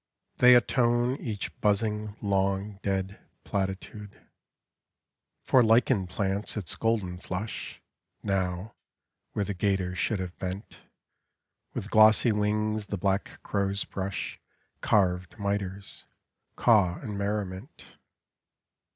They atone Each buzzing long dead platitude. 12 English Cot Inc. For lichen plants its golden Hush Now, where the gaiter should have bent; With glossy wings the black crows brush Carved mitres; caw m merriment.